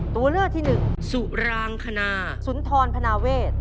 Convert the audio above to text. ตัวเลือกที่หนึ่งสุรางคณาสุนทรพนาเวท